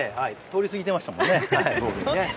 通り過ぎてましたもんね。